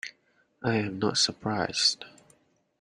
I am not surprised.